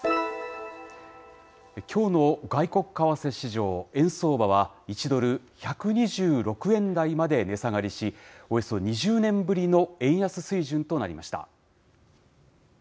きょうの外国為替市場、円相場は、１ドル１２６円台まで値下がりし、およそ２０年ぶりの円安水準となりました。